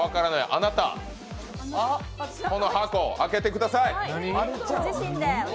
あなた、この箱、開けてください。